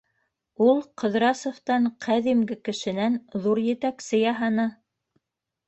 Ул Ҡыҙрасовтан, ҡәҙимге кешенән, ҙур етәксе яһаны.